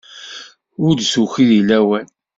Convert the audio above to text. Ur d-tuki deg lawan.